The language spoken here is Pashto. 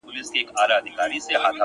• یک تنها مو تر منزله رسېده دي ,